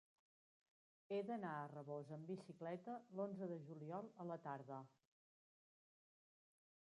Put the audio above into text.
He d'anar a Rabós amb bicicleta l'onze de juliol a la tarda.